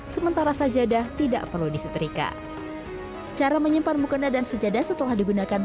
sementara sajadah tidak perlu disetrika cara menyimpan mukena dan sejadah setelah digunakan